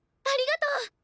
ありがとう！